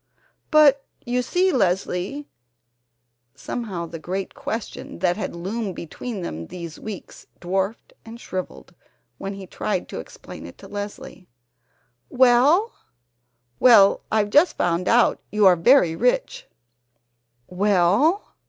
"But you see, Leslie " somehow the great question that had loomed between them these weeks dwarfed and shrivelled when he tried to explain it to Leslie "Well ?" "Well, I've just found out you are very rich " "Well?"